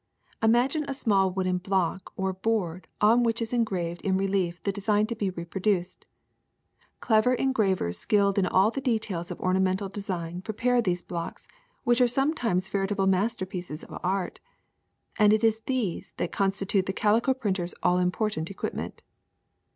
Imagine a small wooden block or board on which is engraved in relief the design to be reproduced. Clever en gravers skilled in all the details of ornamental design prepare these blocks, which are sometimes veritable masterpieces of art; and it is these that constitute the calico printer ^s all important equipment.